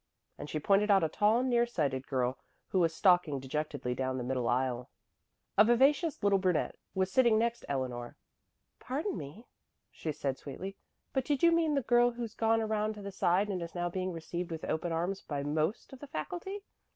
And she pointed out a tall, near sighted girl who was stalking dejectedly down the middle aisle. A vivacious little brunette was sitting next Eleanor. "Pardon me," she said sweetly, "but did you mean the girl who's gone around to the side and is now being received with open arms by most of the faculty?